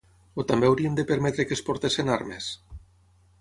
O també hauríem de permetre que es portessin armes?